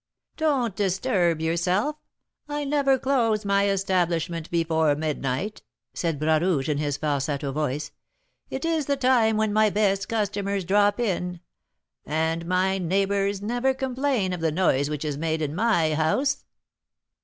"Don't disturb yourself, I never close my establishment before midnight," said Bras Rouge, in his falsetto voice; "it is the time when my best customers drop in; and my neighbours never complain of the noise which is made in my house."